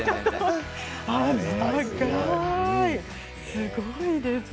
すごいですね。